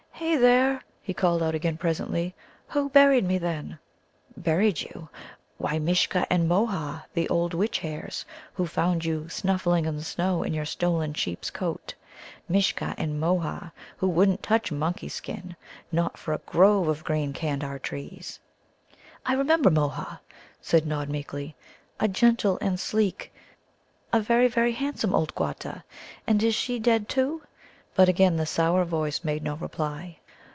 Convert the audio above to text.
"Hey, there!" he called out again presently, "who buried me, then?" "Buried you? Why, Mishcha and Môha, the old witch hares, who found you snuffling in the snow in your stolen sheep's coat Mishcha and Môha, who wouldn't touch monkey skin, not for a grove of green Candar trees." "I remember Môha," said Nod meekly, "a gentle and sleek, a very, very handsome old Quatta. And is she dead, too?" But again the sour voice made no reply.